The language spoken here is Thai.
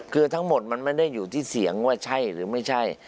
คือทั้งหมดมันไม่ได้อยู่ที่เสียงว่าใช่หรือไม่ใช่